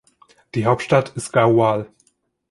Die Hauptstadt ist Gaoual.